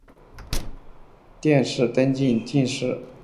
殿试登进士第三甲第一百九十五名。